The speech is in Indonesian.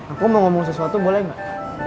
aku mau ngomong sesuatu boleh nggak